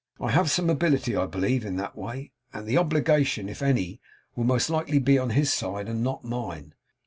I have some ability, I believe, in that way; and the obligation, if any, will most likely be on his side and not mine.